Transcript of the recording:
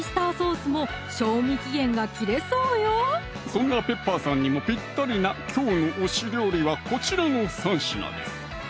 そんなペッパーさんにもぴったりなきょうの推し料理はこちらの３品です